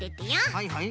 はいはい。